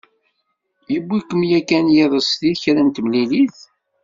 Yewwi-kem yakan yiḍes di kra n temlilit?